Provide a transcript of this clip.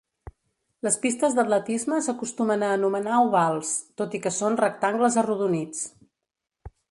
Les pistes d'atletisme s'acostumen a anomenar ovals, tot i que són rectangles arrodonits.